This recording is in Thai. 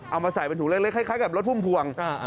เอามาใส่เป็นถุงเล็กคล้ายกับรถพุ่มพวง